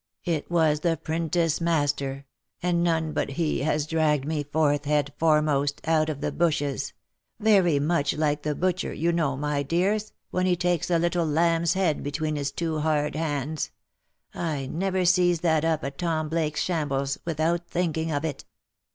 " It was the 'printice master, and none but he as dragged me forth, head foremost, out of the bushes — very much like the butcher, you know, my dears, when he takes the little lamb's head between his two hard hands — 1 never sees that up at Tom Blake's shambles, without thinking of it.